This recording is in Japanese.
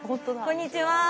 こんにちは。